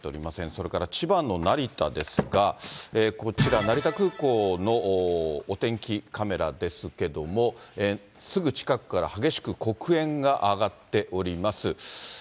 それから千葉の成田ですが、こちら、成田空港のお天気カメラですけども、すぐ近くから激しく黒煙が上がっております。